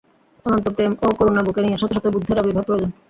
অনন্ত প্রেম ও করুণা বুকে নিয়ে শত শত বুদ্ধের আবির্ভাব প্রয়োজন।